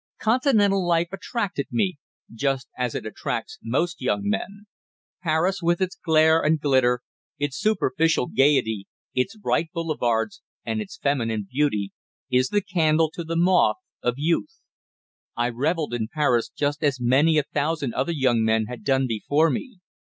Continental life attracted me, just as it attracts most young men. Paris, with its glare and glitter, its superficial gaiety, its bright boulevards, and its feminine beauty, is the candle to the moth of youth. I revelled in Paris just as many a thousand other young men had done before me.